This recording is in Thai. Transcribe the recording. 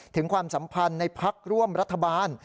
ถึงความสัมพันธ์ในพลักษณ์ร่วมรัฐบาล